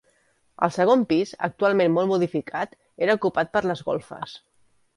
El segon pis, actualment molt modificat, era ocupat per les golfes.